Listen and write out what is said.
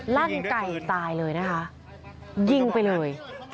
ลั่นไก่ตายเลยนะคะยิงไปเลย